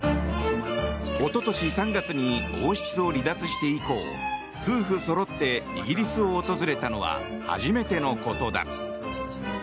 一昨年３月に王室を離脱して以降夫婦そろってイギリスを訪れたのは初めてのことだ。